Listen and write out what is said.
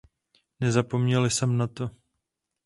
Nezapomněl jsem na to.